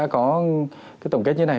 người ta có cái tổng kết như thế này